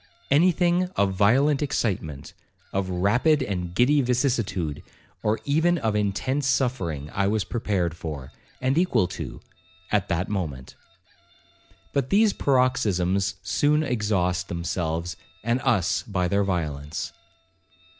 Any thing of violent excitement, of rapid and giddy vicissitude, or even of intense suffering, I was prepared for, and equal to, at that moment. But these paroxysms soon exhaust themselves and us by their violence.